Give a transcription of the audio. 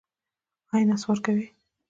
ایا نسوار کوئ؟